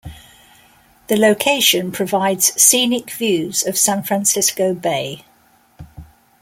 The location provides scenic views of San Francisco Bay.